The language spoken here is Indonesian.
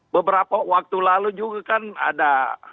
beberapa waktu lalu juga kan ada